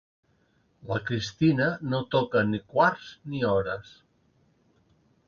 La Cristina no toca ni quarts ni hores.